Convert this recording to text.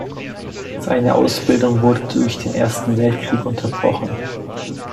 Seine Ausbildung wurde durch den Ersten Weltkrieg unterbrochen.